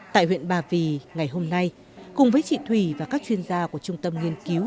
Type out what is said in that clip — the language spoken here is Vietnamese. tại huyện ba vì ngày hôm nay cùng với chị thùy và các chuyên gia của trung tâm nghiên cứu